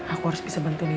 aku harus bisa bantuin ibu